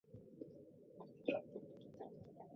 上图表示了算法中找最小值的一个步骤。